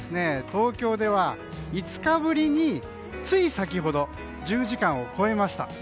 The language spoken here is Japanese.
東京では５日ぶりについ先ほど１０時間を超えました。